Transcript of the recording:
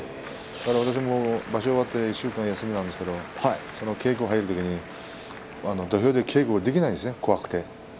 場所が終わって１週間休みなんですけれども稽古に入るときに土俵で稽古ができないんですね怖くて。